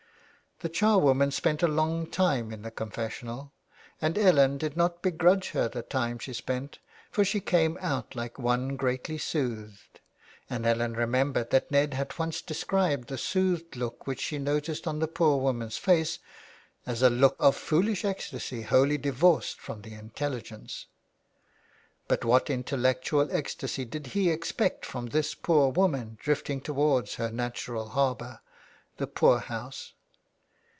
The charwoman spent a long time in the confes sional, and Ellen did not begrudge her the time she spent, for she came out like one greatly soothed, and Ellen remembered that Ned had once described the soothed look which she noticed on the poor woman's face as '' a look of foolish ecstasy, wholly divorced from the intelligence." But what intellectual ecstasy did he expect from this poor woman drifting towards her natural harbour — the poor house